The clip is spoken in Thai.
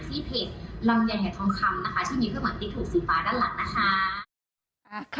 ที่เพจลำไยหายทองคำนะคะที่มีเครื่องหมายที่ถูกสีฟ้าด้านหลังนะคะ